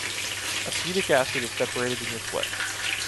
Acetic acid is separated in this way.